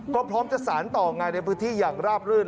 ก็พร้อมจะสารต่องานในพื้นที่อย่างราบรื่น